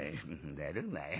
「寝るなよ。